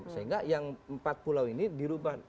sehingga yang empat pulau ini dirubah